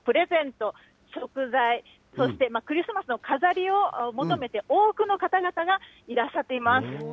こちらにはクリスマスプレゼント、食材、そしてクリスマスの飾りを求めて、多くの方々がいらっしゃっています。